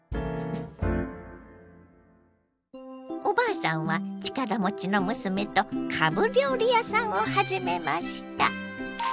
おばあさんは力持ちの娘とかぶ料理屋さんを始めました。